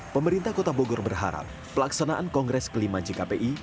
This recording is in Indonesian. pemerintah kota bogor berharap pelaksanaan kongres kelima jkpi